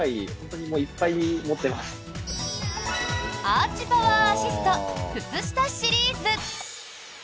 アーチパワーアシスト靴下シリーズ。